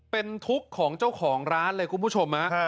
เป็นทุกข์ของเจ้าของร้านเลยคุณผู้ชม